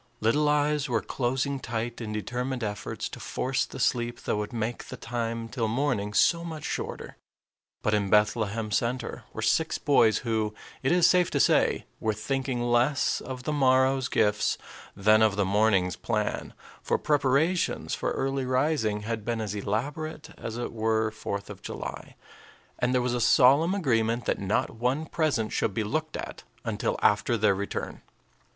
Little eyes were closing tight in determined efforts to force the sleep that would make the time till morning so much shorter. But in Bethlehem Center were six boys who, it is safe to say, were thinking less of the morrow's gifts than of the morning's plan; for preparations for early rising had been as elaborate as if it were fourth of July, and there was a solemn agreement that not one present should be looked at until after their return.